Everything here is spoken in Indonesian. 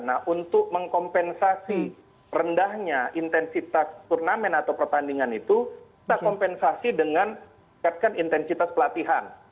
nah untuk mengkompensasi rendahnya intensitas turnamen atau pertandingan itu kita kompensasi dengan tingkatkan intensitas pelatihan